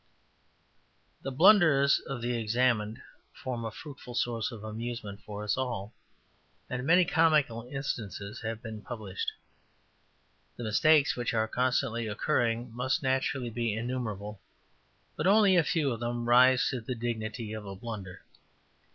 THE blunders of the examined form a fruitful source of amusement for us all, and many comical instances have been published. The mistakes which are constantly occurring must naturally be innumerable, but only a few of them rise to the dignity of a blunder.